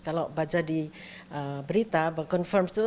kalau baca di berita confirmed itu